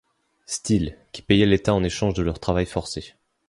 Steel, qui payait l'État en échange de leur travail forcé.